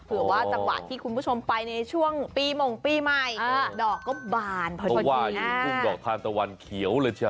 เผื่อว่าจากวัดที่คุณผู้ชมไปในช่วงปีมงปีใหม่